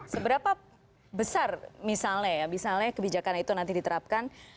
seberapa besar misalnya ya misalnya kebijakan itu nanti diterapkan